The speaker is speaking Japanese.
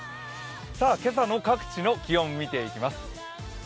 今朝の各地の気温、見ていきます。